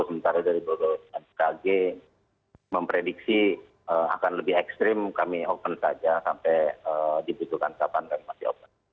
sementara dari beberapa mkg memprediksi akan lebih ekstrim kami open saja sampai dibutuhkan kapan kami masih open